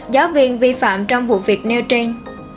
giáo viên vi phạm trong vụ việc nêu trên